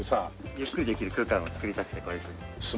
ゆっくりできる空間を作りたくてこういうふうに。